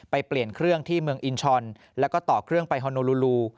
เปลี่ยนเครื่องที่เมืองอินชอนแล้วก็ต่อเครื่องไปฮอนโล